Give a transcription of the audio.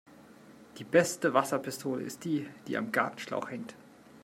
Die beste Wasserpistole ist die, die am Gartenschlauch hängt.